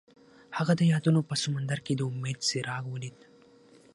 هغه د یادونه په سمندر کې د امید څراغ ولید.